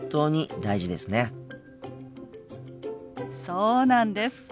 そうなんです。